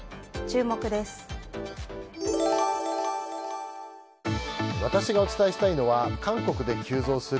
注目です。